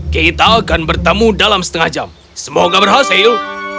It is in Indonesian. kita akan bertemu dalam setengah jam semoga berhasil